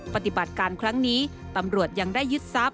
ปฏิบัติการครั้งนี้ตำรวจยังได้ยึดทรัพย